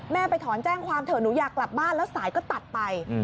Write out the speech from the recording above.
ไปถอนแจ้งความเถอะหนูอยากกลับบ้านแล้วสายก็ตัดไป